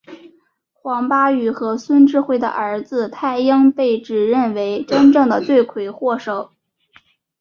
黄巴宇和孙智慧的儿子泰英被指认为真正的罪魁祸首。